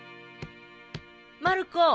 まる子。